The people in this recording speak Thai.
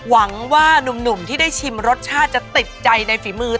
หวังว่านุ่มที่ได้ชิมรสชาติจะติดใจในฝีมือ